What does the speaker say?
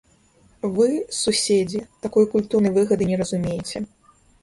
Вы, суседзі, такой культурнай выгады не разумееце.